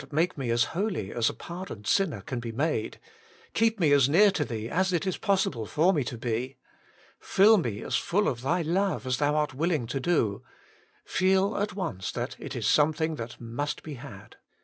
make me as holy as a pardoned sinner can be made I Keep me as near to Thee as it is possible for me to be ! Fill me as full of Thy love as Thou art willing to do !' feel at once that it is something that must be had.